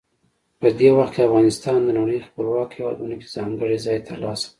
په دې وخت کې افغانستان د نړۍ خپلواکو هیوادونو کې ځانګړی ځای ترلاسه کړ.